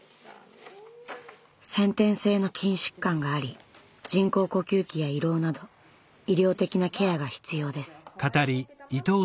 先天性の筋疾患があり人工呼吸器や胃ろうなど医療的なケアが必要です。